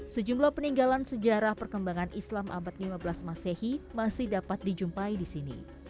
sejumlah peninggalan sejarah perkembangan islam abad lima belas masehi masih dapat dijumpai di sini